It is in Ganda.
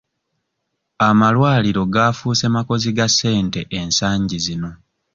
Amalwaliro gaafuuse makozi ga ssente ensangi zino.